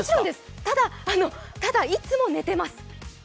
ただ、いつも寝ています。